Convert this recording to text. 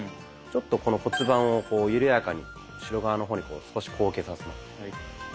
ちょっとこの骨盤を緩やかに後ろ側の方に少し後傾させます。